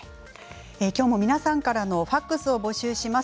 今日も皆さんからのファックスを募集します。